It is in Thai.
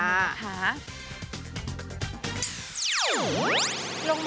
ลงมา๓๐โลค่ะ